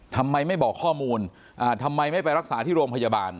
ทำไมไม่บอกข้อมูลทำไมไม่ไปรักษาที่โรงพยาบาล